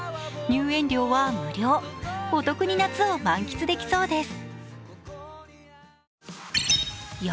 入園料は無料お得に夏を満喫できそうです。